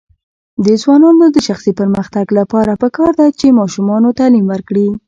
د ځوانانو د شخصي پرمختګ لپاره پکار ده چې ماشومانو تعلیم ورکړي.